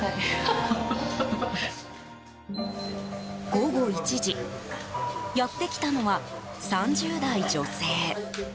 午後１時やってきたのは３０代女性。